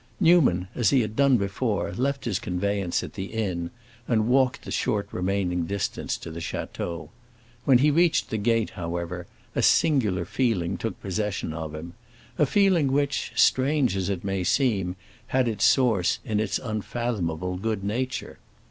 Newman, as he had done before, left his conveyance at the inn and walked the short remaining distance to the château. When he reached the gate, however, a singular feeling took possession of him—a feeling which, strange as it may seem, had its source in its unfathomable good nature.